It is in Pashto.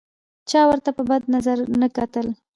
چا ورته په بد نظر نه کتل.